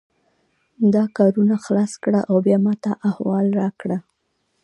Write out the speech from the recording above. دا کارونه خلاص کړه او بیا ماته احوال راکړه